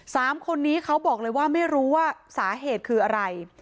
สามคนนี้เขาบอกเลยว่าไม่รู้ว่าสาเหตุคืออะไร